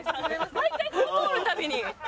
毎回ここ通るたびに。